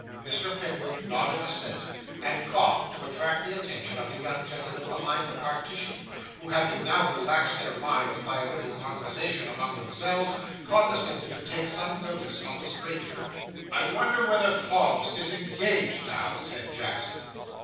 Mr. Pickwick nodded assent, and coughed to attract the attention of the young gentlemen behind the partition, who, having now relaxed their minds by a little conversation among themselves, condescended to take some notice of the stranger. 'I wonder whether Fogg's disengaged now?' said Jackson.